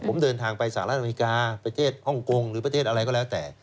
ผมเดินทางไปสหรัฐอเมริกาประเทศฮ่องกงหรือประเทศอะไรก็แล้วแต่